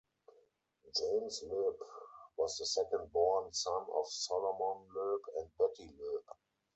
James Loeb was the second born son of Solomon Loeb and Betty Loeb.